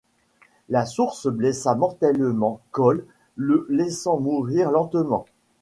La Source blessa mortellement Cole, le laissant mourir lentement.